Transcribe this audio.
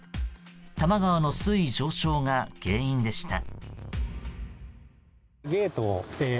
多摩川の水位上昇が原因でした。